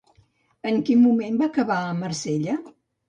En quin moment va acabar a Marsella?